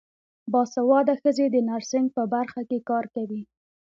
باسواده ښځې د نرسنګ په برخه کې کار کوي.